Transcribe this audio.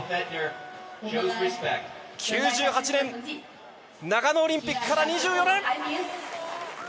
９８年長野オリンピックから２４年！